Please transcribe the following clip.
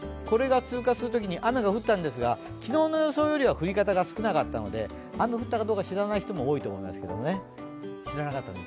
これが通過するときに雨が降ったんですが、昨日の予想より降り方が少なかったので雨が降ったことも知らない人も多いと思いますけどね。